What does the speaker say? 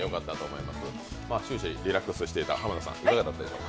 終始、リラックスしていた濱田さん、いかがでしたか？